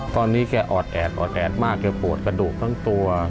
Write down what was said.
ตอนนี้แกอดแอดมากแกปวดกระดูกทั้งตัว